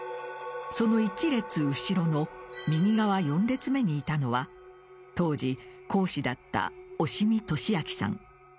その１列後ろの右側４列目にいたのは当時、講師だった押見敏明さん。